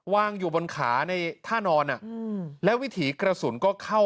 วางอยู่บนขาในท่านอนแล้ววิถีกระสุนก็เข้า